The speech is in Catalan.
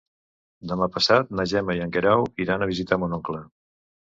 Demà passat na Gemma i en Guerau iran a visitar mon oncle.